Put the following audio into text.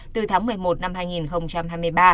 từ tháng một mươi một năm hai nghìn hai mươi ba